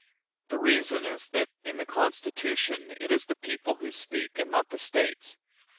The reason is that, in the Constitution, it is the people who speak and not the States.